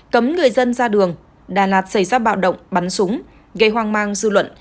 cấm người dân ra đường đà lạt xảy ra bạo động bắn súng gây hoang mang dư luận